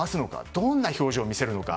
どんな表情を見せるのか。